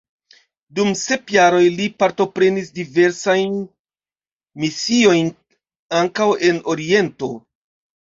Dum sep jaroj li partoprenis diversajn misiojn, ankaŭ en oriento.